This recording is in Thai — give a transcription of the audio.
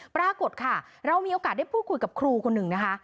ปรากฏค่ะเรามีโอกาสได้พูดคุยกับครูคนหนึ่งนะคะ